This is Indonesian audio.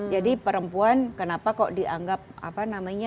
jadi perempuan kenapa kok dianggap apa namanya